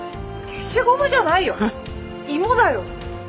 消しゴムじゃないよ芋だよ。